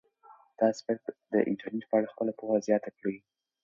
تاسي باید د انټرنيټ په اړه خپله پوهه زیاته کړئ.